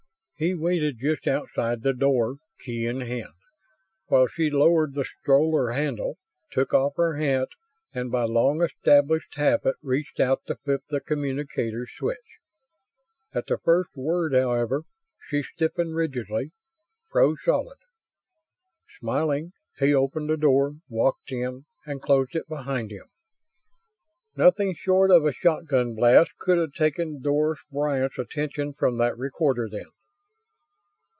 He waited just outside the door, key in hand, while she lowered the stroller handle, took off her hat and by long established habit reached out to flip the communicator's switch. At the first word, however, she stiffened rigidly froze solid. Smiling, he opened the door, walked in, and closed it behind him. Nothing short of a shotgun blast could have taken Doris Bryant's attention from that recorder then.